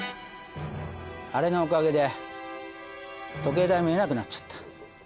あれのおかげで時計台見えなくなっちゃった。